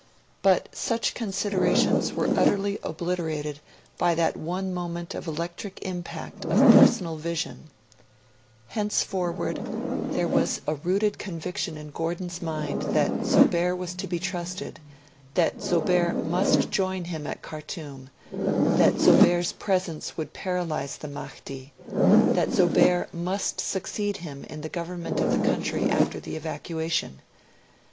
But such considerations were utterly obliterated by that one moment of electric impact of personal vision; henceforward, there was a rooted conviction in Gordon's mind that Zobeir was to be trusted, that Zobeir must join him at Khartoum, that Zobeir's presence would paralyse the Mahdi, that Zobeir must succeed him in the government of the country after the evacuation.